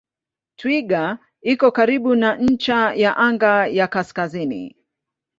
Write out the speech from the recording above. Twiga iko karibu na ncha ya anga ya kaskazini.